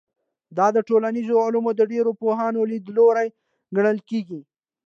دا د ټولنیزو علومو د ډېرو پوهانو لیدلوری ګڼل کېږي.